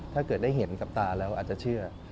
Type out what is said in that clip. ถ้าเกิดได้เห็นกับตาแล้วอาจจะเชื่อ